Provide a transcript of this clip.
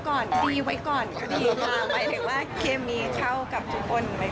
ก็สังเกตุหน้องีดีกว่ากำลังใจก็เริ่มอยากได้กำลังใจแล้ว